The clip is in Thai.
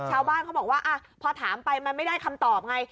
ชาวบ้านเขาบอกว่าพอถามไปมันไม่ได้คำตอบไง